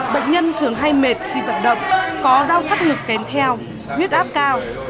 bệnh nhân thường hay mệt khi vật động có đau thắt ngực kèm theo huyết áp cao